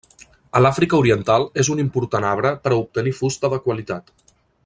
A l'Àfrica oriental és un important arbre per a obtenir fusta de qualitat.